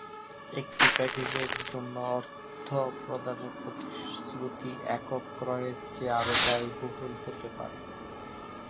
একটি প্যাকেজের জন্য অর্থ প্রদানের প্রতিশ্রুতি একক ক্রয়ের চেয়ে আরও ব্যয়বহুল হতে পারে।